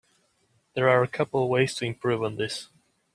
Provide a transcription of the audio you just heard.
There are a couple ways to improve on this.